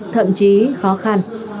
thậm chí khó khăn